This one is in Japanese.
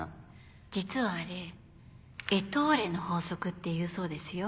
実はあれエトーレの法則っていうそうですよ。